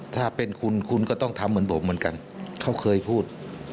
ถ้าเป็นคุณคุณก็ต้องทำเหมือนผมเหมือนกันเขาเคยพูด